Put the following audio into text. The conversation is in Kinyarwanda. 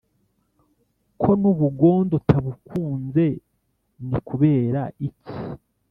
Ko n' ubugondo utabukunze ni kubera iki